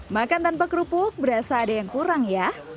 makan tanpa kerupuk berasa ada yang kurang ya